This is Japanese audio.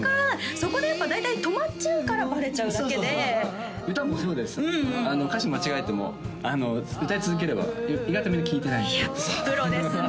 そこでやっぱ大体止まっちゃうからバレちゃうだけで歌もそうです歌詞間違えても歌い続ければ意外とみんな聴いてないんでプロですね